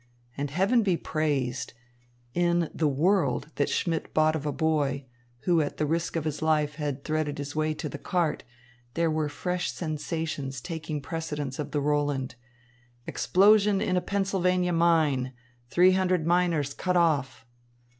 And heaven be praised! In The World that Schmidt bought of a boy, who at risk of his life had threaded his way to the cart, there were fresh sensations taking precedence of the Roland "Explosion in a Pennsylvania mine. Three hundred miners cut off."